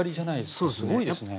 すごいですね。